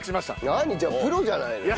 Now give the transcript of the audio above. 何じゃあプロじゃないのよ。